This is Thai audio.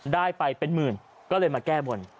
ได้ไปเป็นหมื่นก็เลยมาแก้บน